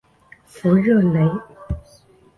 弗热雷。